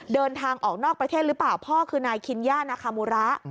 เดินทางออกนอกประเทศหรือเปล่าพ่อคือนายคิญญานาคามูระ